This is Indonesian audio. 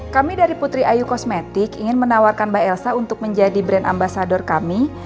kami dari putri ayu kosmetik ingin menawarkan mbak elsa untuk menjadi brand ambasador kami